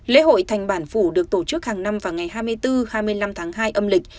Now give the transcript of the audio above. lễ hội thành bản phủ được tổ chức hàng năm vào ngày hai mươi bốn hai mươi năm tháng hai âm lịch